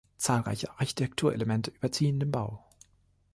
Zahlreiche Architekturelemente überziehen den Bau.